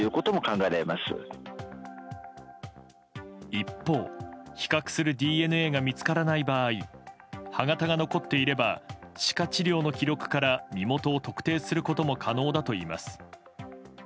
一方、比較するＤＮＡが見つからない場合歯型が残っていれば歯科治療の記録から身元を特定することも可能だといいます。